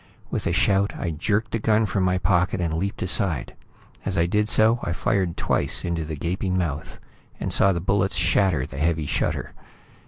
With a shout, I jerked the gun from my pocket and leaped aside. As I did so, I fired twice into the gaping mouth, and saw the bullets shatter the heavy shutter.